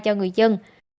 cho người dân